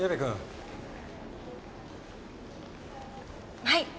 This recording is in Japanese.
はい。